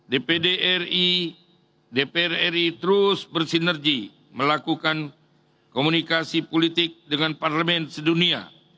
dpr ri terus bersinergi melakukan komunikasi politik dengan parlement sedunia